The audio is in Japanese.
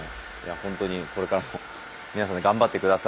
ほんとにこれからも皆さんで頑張って下さい。